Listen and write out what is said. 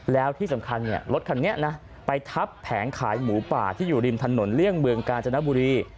แล้วที่สำคัญรถคันนี้นะไปทับแผงขายหมูป่าที่อยู่ริมถนนเลี่ยงเมืองกาญจนบุรี